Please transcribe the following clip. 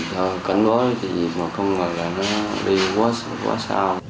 thì cẩn thận với chị diệp mà không ngờ là nó đi quá xa quá xa